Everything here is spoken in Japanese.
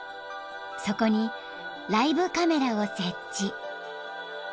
［そこにライブカメラを設置］